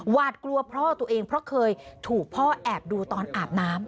วาดกลัวพ่อตัวเองเพราะเคยถูกพ่อแอบดูตอนอาบน้ำ